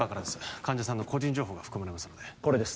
患者さんの個人情報が含まれますのでこれです